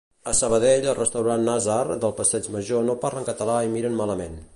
A Sabadell el restaurant Nazar del passeig major no parlen català i miren malament